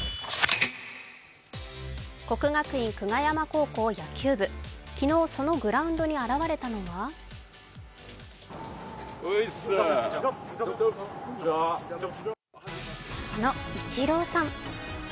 国学院久我山高校野球部、昨日そのグラウンドに現れたのはあのイチローさん。